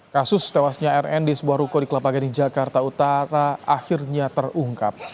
kasus tewasnya rn di sebuah ruko di kelapa gading jakarta utara akhirnya terungkap